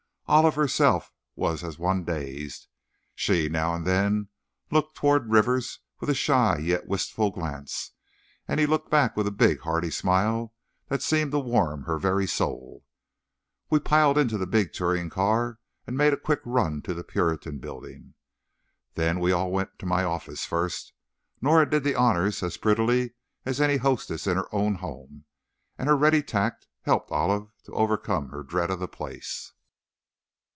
Olive, herself, was as one dazed. She, now and then, looked toward Rivers with a shy, yet wistful glance, and he looked back with a big, hearty smile that seemed to warm her very soul. We piled into the big touring car and made a quick run to the Puritan Building. Then we all went to my office first. Norah did the honors as prettily as any hostess in her own home, and her ready tact helped Olive to overcome her dread of the place.